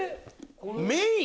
メイン⁉